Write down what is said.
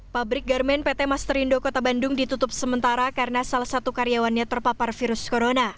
pabrik garmen pt masterindo kota bandung ditutup sementara karena salah satu karyawannya terpapar virus corona